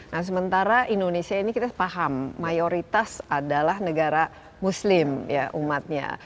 karena di seluruh negara negara indonesia ini kita paham mayoritas adalah negara muslim ya umatnya